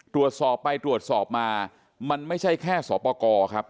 ตรวจสอบไปตรวจสอบมามันไม่ใช่แค่สอปกรครับ